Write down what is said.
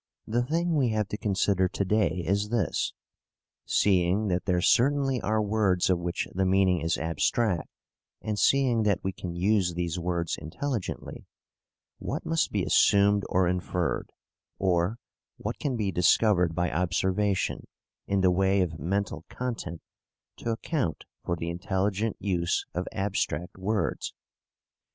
The thing we have to consider to day is this: seeing that there certainly are words of which the meaning is abstract, and seeing that we can use these words intelligently, what must be assumed or inferred, or what can be discovered by observation, in the way of mental content to account for the intelligent use of abstract words?